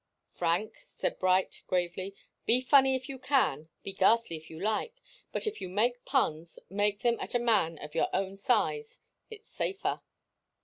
"Frank," said Bright, gravely, "be funny if you can. Be ghastly if you like. But if you make puns, make them at a man of your own size. It's safer."